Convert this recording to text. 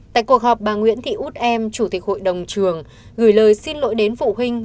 tại cuộc họp bà nguyễn thị út em chủ tịch hội đồng trường gửi lời xin lỗi đến phụ huynh